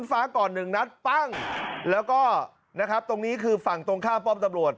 และก็นะครับตรงนี้คือฝั่งตรงข้ามป้อมตำรวจ